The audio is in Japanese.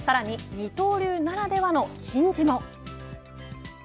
二刀流ならではの珍事も。